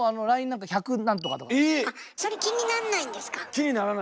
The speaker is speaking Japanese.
それ気になんないんですか？